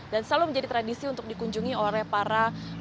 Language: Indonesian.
dan selalu menjadi tradisi untuk dikunjungi oleh para pelanggan